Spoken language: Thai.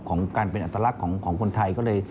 ของการเป็นอัตรรัสของคนไทย